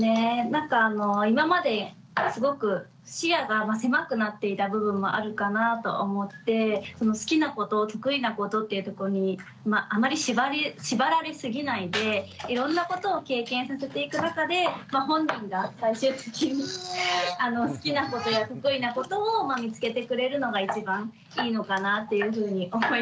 なんか今まですごく視野が狭くなっていた部分もあるかなと思って好きなこと得意なことっていうとこにあまり縛られすぎないでいろんなことを経験させていく中で本人が最終的に好きなことや得意なことを見つけてくれるのが一番いいのかなっていうふうに思いました。